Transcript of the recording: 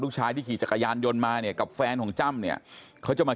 ชายที่ขี่จักรยานยนต์มาเนี่ยกับแฟนของจ้ำเนี่ยเขาจะมา